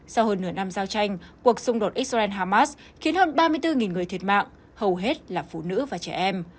sau hơn nửa năm giao tranh cuộc xung đột israel hamas khiến hơn ba mươi bốn người thiệt mạng hầu hết là phụ nữ và trẻ em